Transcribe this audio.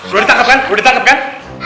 udah ditangkap kan udah ditangkap kan